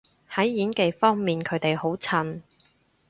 喺演技方面佢哋好襯